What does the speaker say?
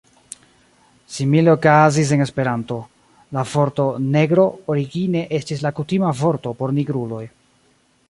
Simile okazis en Esperanto: La vorto "negro" origine estis la kutima vorto por nigruloj.